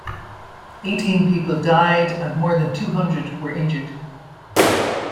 Eighteen people died, and more than two hundred were injured.